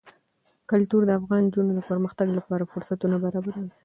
کلتور د افغان نجونو د پرمختګ لپاره فرصتونه برابروي.